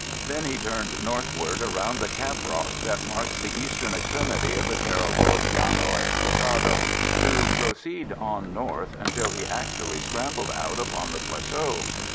Then he turned northward around the Cap Rock that marks the eastern extremity of the terrible Llano Estacado, to proceed on north till he actually scrambled out upon that plateau.